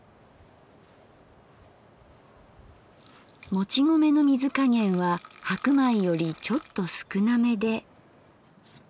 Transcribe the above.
もち米の水加減は白米よりちょっと少なめで。